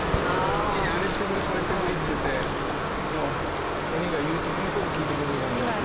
おにいにあれしてくれこれしてくれっちゅうてのおにいが言うこと聞いてくれるもんじゃき。